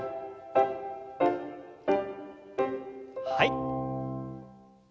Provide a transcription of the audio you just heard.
はい。